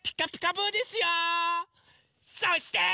そして。